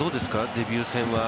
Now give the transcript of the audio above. デビュー戦は。